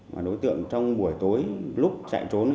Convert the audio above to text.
và đối tượng trong buổi tối lúc chạy trốn